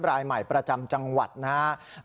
รายใหม่ประจำจังหวัดนะครับ